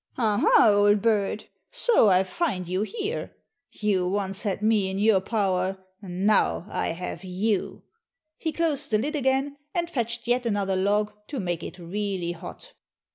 "Aha, old bird, so I find you here! you once had me in your power, now I have you." He closed the lid again, and fetched yet another log to make it really hot.